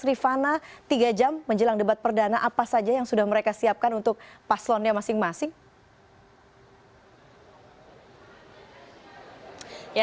rifana tiga jam menjelang debat perdana apa saja yang sudah mereka siapkan untuk paslonnya masing masing